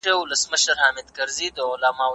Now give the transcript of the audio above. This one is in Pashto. دا کیسه له هغې بلې څخه ډیره تراژیده ده.